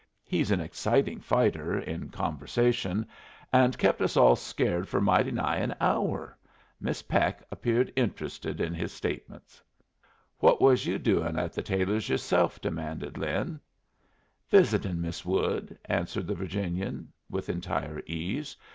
He's an exciting fighter, in conversation, and kep' us all scared for mighty nigh an hour. Miss Peck appeared interested in his statements." "What was you doing at the Taylors' yourself?" demanded Lin. "Visitin' Miss Wood," answered the Virginian, with entire ease.